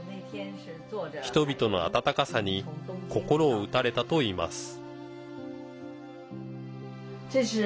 人々の温かさに心を打たれたといいます。